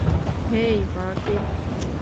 হেই, Martin!